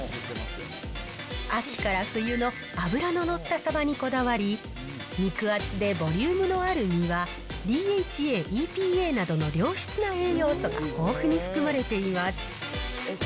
秋から冬の脂の乗ったサバにこだわり、肉厚でボリュームのある身は、ＤＨＡ、ＥＰＡなどの良質な栄養素が豊富に含まれています。